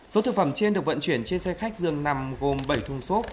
số thực phẩm trên được vận chuyển trên xe khách dường nằm gồm bảy thùng xốp